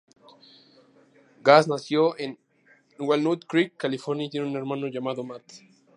Gass nació en Walnut Creek, California, y tiene un hermano llamado Matt.